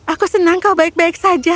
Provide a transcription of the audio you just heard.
aku senang kau baik baik saja